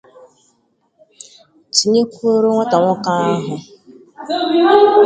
tinyekwuoro nwata nwoke ahụ